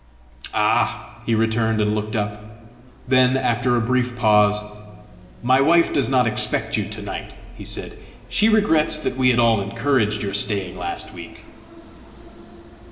"Ah!" he returned, and looked up. Then, after a brief pause, "My wife does not expect you to night," he said. "She regrets that we at all encouraged your staying last week."